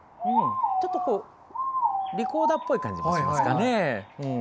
ちょっとリコーダーっぽい感じがしますかね。